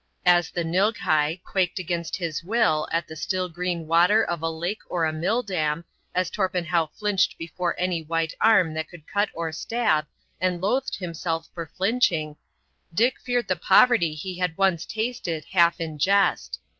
As the Nilghai quaked against his will at the still green water of a lake or a mill dam, as Torpenhow flinched before any white arm that could cut or stab and loathed himself for flinching, Dick feared the poverty he had once tasted half in jest.